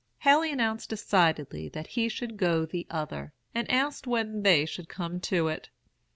"Haley announced decidedly that he should go the other, and asked when they should come to it.